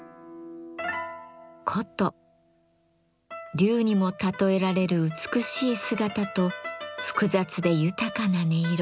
龍にも例えられる美しい姿と複雑で豊かな音色。